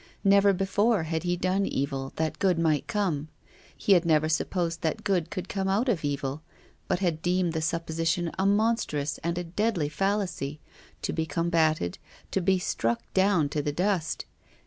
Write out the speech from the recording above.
Never before had he done evil that good might come. He had never supposed that good could come out of evil, but had deemed the supposition a monstrous and a deadly fallacy, to be com bated, to be struck down to the dust.